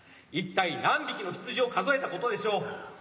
一体何匹の羊を数えたことでしょう。